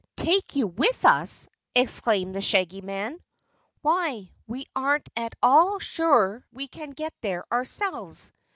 "Take you with us!" exclaimed the Shaggy Man. "Why, we aren't at all sure we can get there ourselves.